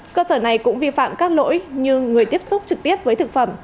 cơ sở này cũng vi phạm các lỗi như người tiếp xúc trực tiếp với thực phẩm